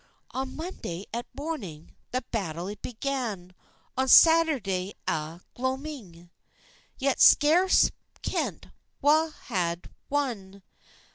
On Monanday, at mornin, The battle it began, On Saturday at gloamin', Ye'd scarce kent wha had wan.